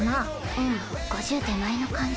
うん５０手前の感じ。